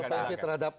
itu fungsi terhadap